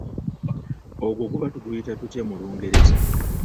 Ogwo guba tuguyita tutya mu Lungereza?